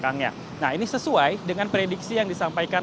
nah ini sesuai dengan prediksi yang disampaikan